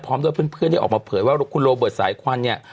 พร้อมด้วยเพื่อนที่ออกมาเผยว่าคุณโรเบิร์ตสายควันเนี่ย